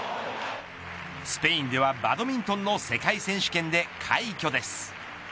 スペインではバドミントンの世界選手権で快挙です。